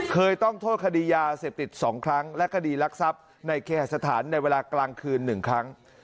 เคยต้องโทษคดียาเสพติด๒ครั้งและคดีรักทรัพย์ในเคสถานในเวลากลางคืน๑ครั้ง